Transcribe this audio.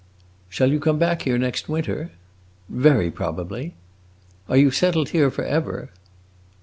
"Shall you come back here next winter?" "Very probably." "Are you settled here forever?"